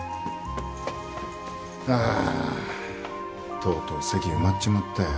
あとうとう席埋まっちまったよ。